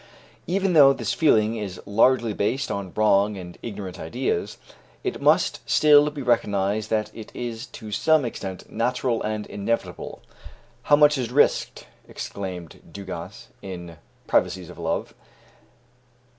Even though this feeling is largely based on wrong and ignorant ideas, it must still be recognized that it is to some extent natural and inevitable. "How much is risked," exclaims Dugas, "in the privacies of love!